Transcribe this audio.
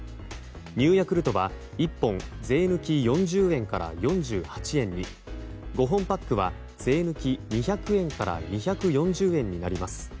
Ｎｅｗヤクルトは１本税抜き４０円から４８円に５本パックは税抜き２００円から２４０円になります。